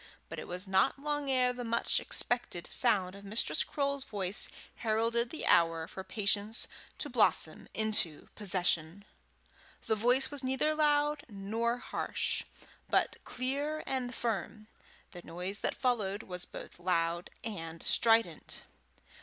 But it was not long ere the much expected sound of Mistress Croale's voice heralded the hour for patience to blossom into possession. The voice was neither loud nor harsh, but clear and firm; the noise that followed was both loud and strident.